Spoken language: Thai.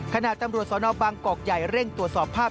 ขณะตำรวจสนบางกอกใหญ่เร่งตรวจสอบภาพ